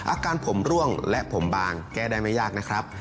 อาการผมร่วงและผมบางแก้ได้ไม่ยากนะครับ